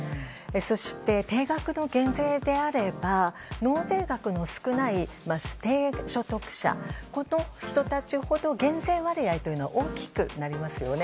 そして、定額の減税であれば納税額の少ない低所得者の人たちほど減税割合というのは大きくなりますよね。